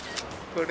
これ！